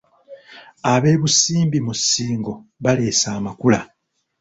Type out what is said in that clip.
Ab'e Busimbi mu Ssingo baleese amakula.